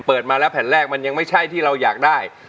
เปิดมาแล้วแผ่นแรกมันยังไม่ใช่ที่เราอยากได้